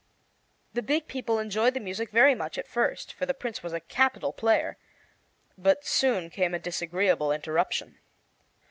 The big people enjoyed the music very much at first, for the Prince was a capital player. But soon came a disagreeable interruption.